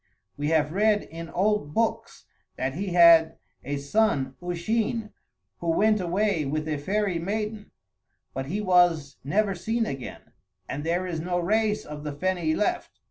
We have read in old books that he had a son Usheen who went away with a fairy maiden; but he was never seen again, and there is no race of the Feni left."